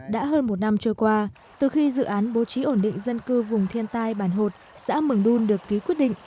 đã hơn một năm trôi qua từ khi dự án bố trí ổn định dân cư vùng thiên tai bản hột xã mường đun được ký quyết định